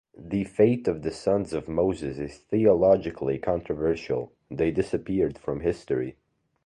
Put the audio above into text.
The fate of the sons of Moses is theologically controversial: they disappear from history.